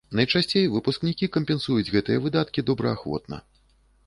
Найчасцей выпускнікі кампенсуюць гэтыя выдаткі добраахвотна.